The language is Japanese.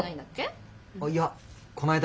いやこないだ